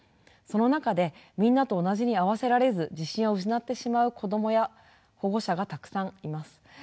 その中でみんなと同じに合わせられず自信を失ってしまう子どもや保護者がたくさんいます。